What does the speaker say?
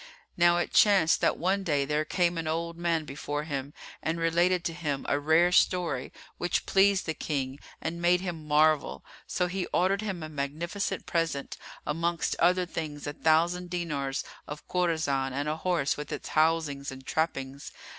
Now it chanced that one day there came an old man before him and related to him a rare story, which pleased the King and made him marvel, so he ordered him a magnificent present, amongst other things a thousand dinars of Khorasan and a horse with its housings and trappings.